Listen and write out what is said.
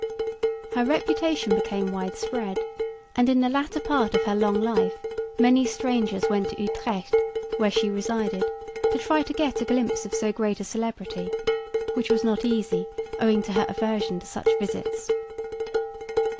Her reputation became widespread; and, in the latter part of her long life, many strangers went to Utrecht, where she resided, to try to get a glimpse of so great a celebrity, which was not easy owing to her aversion to such visits.